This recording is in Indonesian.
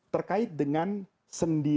terkait dengan senang hati